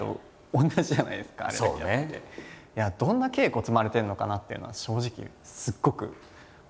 どんな稽古を積まれてるのかなっていうのは正直すごく思いました僕は。